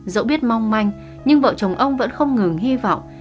dẫu biết mong manh nhưng vợ chồng ông vẫn không ngừng hy vọng